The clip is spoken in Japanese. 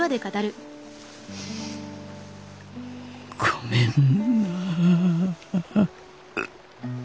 ごめんな。